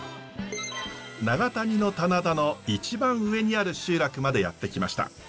長谷の棚田の一番上にある集落までやって来ました。